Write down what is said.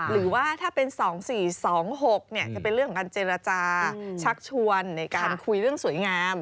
หรือว่าถ้าเป็น๒๔๒๖จะเป็นเรื่องของการเจรจาชักชวนในการคุยเรื่องสวยงาม